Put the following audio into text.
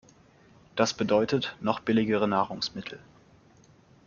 Das bedeutet, noch billigere Nahrungsmittel.